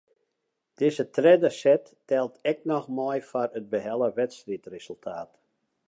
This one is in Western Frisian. Dizze tredde set teld ek noch mei foar it behelle wedstriidresultaat.